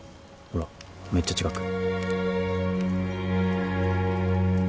ほらめっちゃ近く。